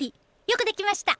よくできました。